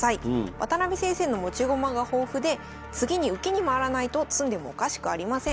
渡辺先生の持ち駒が豊富で次に受けに回らないと詰んでもおかしくありません。